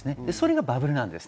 それがバブルです。